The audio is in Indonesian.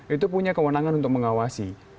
itu punya kewenangan untuk mengawasi